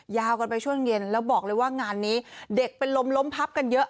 ยาวกันไปช่วงเย็นแล้วบอกเลยว่างานนี้เด็กเป็นลมล้มพับกันเยอะ